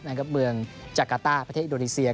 เมืองจากกาต้าประเทศอินโดนีเซีย